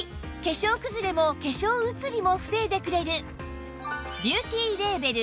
化粧くずれも化粧移りも防いでくれる